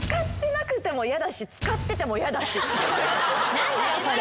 何だよそれ。